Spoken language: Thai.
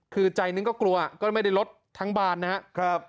คือใจนึงก็กลัวก็ไม่ได้ลดทั้งบานนะครับ